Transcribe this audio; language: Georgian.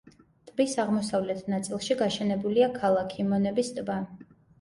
ტბის აღმოსავლეთ ნაწილში გაშენებულია ქალაქი მონების ტბა.